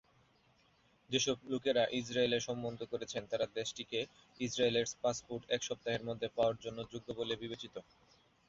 যেসব লোকেরা ইসরায়েলে সম্বন্ধ করেছেন, তারা দেশটিতে ইসরায়েলের পাসপোর্ট এক সপ্তাহের মধ্যে পাওয়ার জন্য যোগ্য বলে বিবেচিত।